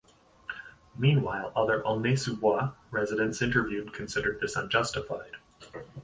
Meanwhile, other Aulnay-sous-Bois residents interviewed considered this unjustified.